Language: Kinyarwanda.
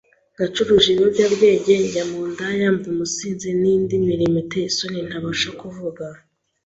Nacuruje ibiyobyabwenge, njya mu ndaya, mba umusinzi, n’indi mirimo iteye isoni ntabasha kuvuga.